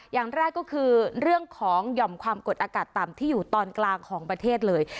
อย่างแรกก็คือเรื่องของหย่อมความกดอากาศต่ำที่อยู่ตอนกลางของประเทศเลย